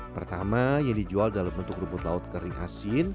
pertama yang dijual dalam bentuk rumput laut kering asin